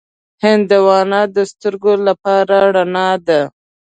هندوانه د سترګو لپاره رڼا ده.